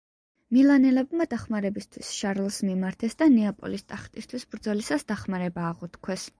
მილანელებმა დახმარებისთვის შარლს მიმართეს და ნეაპოლის ტახტისთვის ბრძოლისას დახმარება აღუთქვეს.